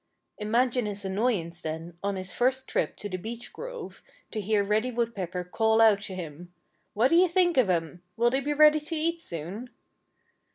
Imagine his annoyance, then, on his first trip to the beech grove, to hear Reddy Woodpecker call out to him, "What do you think of 'em? Will they be ready to eat soon?"